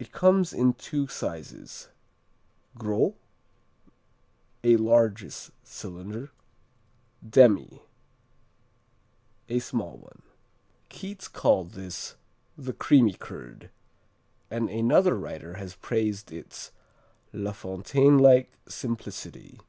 It comes in two sizes: Gros a largest cylinder Demi a small one Keats called this "the creamy curd," and another writer has praised its "La Fontaine like simplicity."